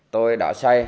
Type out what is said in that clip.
tôi đã say